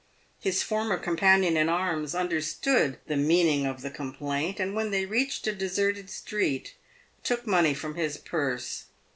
His former companion in arms understood the meaning of the complaint, and when they reached a deserted street took money from his purse.